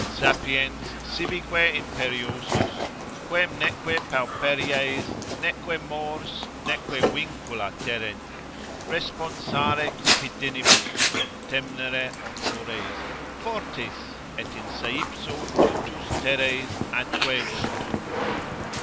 ———sapiens sibique imperiosus, Quem neque pauperis, neque mors, neque vincula terrent, Responsare cupidinibus, contemnere honores Fortis, et in seipso totus teres atque rotundus.